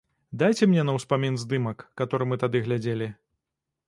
Дайце мне на ўспамін здымак, каторы мы тады глядзелі.